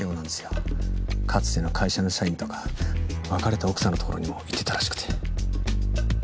かつての会社の社員とか別れた奥さんの所にも行ってたらしくて。